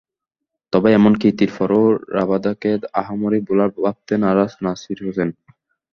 তবে এমন কীর্তির পরও রাবাদাকে আহামরি বোলার ভাবতে নারাজ নাসির হোসেন।